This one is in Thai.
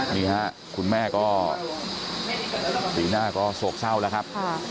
นี่ฮะคุณแม่ก็สีหน้าก็โศกเศร้าแล้วครับ